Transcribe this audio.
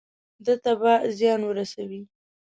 ده ته به زیان ورسوي.